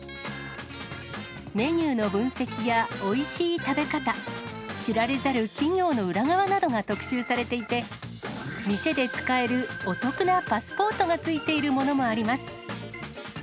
メニューの分析やおいしい食べ方、知られざる企業の裏側などが特集されていて、店で使えるお得なパスポートが付いているものもあります。